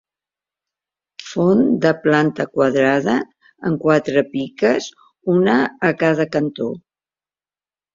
Font de planta quadrada amb quatres piques, una a cada cantó.